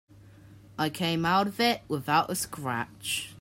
I came out of it without a scratch.